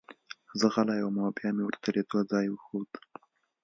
زه غلی وم او بیا مې ورته د لیدو ځای وښود